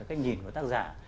cách nhìn của tác giả